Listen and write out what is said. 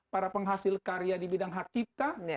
para penghasil karya di bidang hak cipta